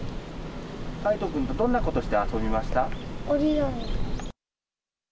凱仁君とどんなことして遊び折り紙。